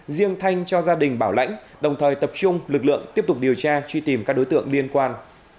riêng thanh cho gia đình bảo lãnh đồng thời tập trung lực lượng tiếp tục điều tra truy tìm các đối tượng liên quan